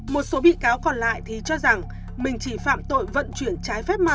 một số bị cáo còn lại thì cho rằng mình chỉ phạm tội vận chuyển trái phép ma túy